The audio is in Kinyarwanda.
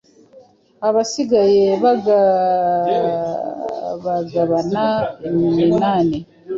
abasigaye bagabagabana iminani